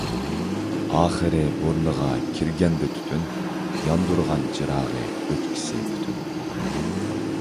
ئاخىرى بۇرنىغا كىرگەندە تۈتۈن، ياندۇرغان چىراغى ئۆچكۈسى پۈتۈن.